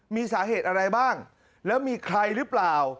มีสาเหตุอะไรบ้างแล้วมีใครหรือเปล่า